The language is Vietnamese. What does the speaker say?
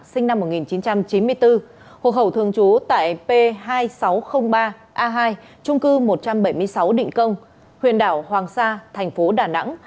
sinh năm một nghìn chín trăm chín mươi bốn hộ khẩu thường trú tại p hai nghìn sáu trăm linh ba a hai trung cư một trăm bảy mươi sáu định công huyện đảo hoàng sa thành phố đà nẵng